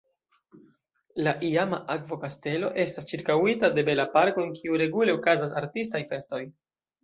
La iama akvo-kastelo estas ĉirkaŭita de bela parko, en kiu regule okazas artistaj festoj.